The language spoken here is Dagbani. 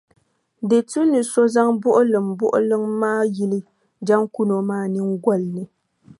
Di tu ni so zaŋ buɣilimbuɣiliŋ maa yili jaŋkuno maa nyiŋgoli ni.